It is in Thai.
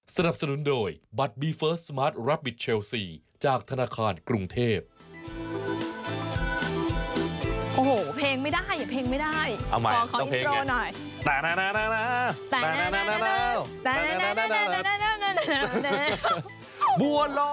สนับสนุนโดยบัตรบีเฟิร์สสมาร์ทรับบิทเชลซีจากธนาคารกรุงเทพ